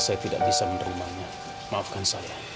saya tidak bisa menerimanya maafkan saya